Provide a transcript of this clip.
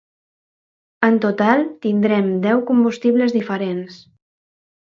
En total, tindrem deu combustibles diferents.